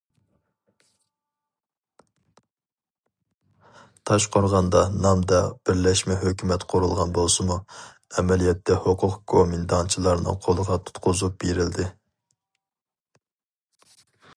تاشقورغاندا نامدا بىرلەشمە ھۆكۈمەت قۇرۇلغان بولسىمۇ، ئەمەلىيەتتە ھوقۇق گومىنداڭچىلارنىڭ قولىغا تۇتقۇزۇپ بېرىلدى.